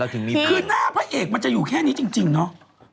คือหน้าพระเอกมันจะอยู่แค่นี้จริงเนาะ